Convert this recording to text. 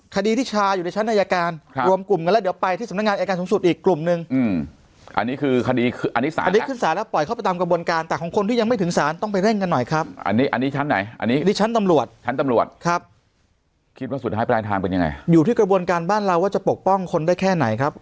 ครับคิดว่าสุดท้ายปรายทางเป็นยังไงอยู่ที่กระบวนการบ้านเราว่าจะปกป้องคนได้แค่ไหนครับ